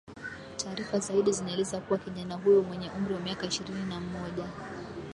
taarifa zaidi zinaeleza kuwa kijana huyo mwenye umri wa miaka ishirini na mmoja